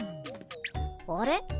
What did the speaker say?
あれ？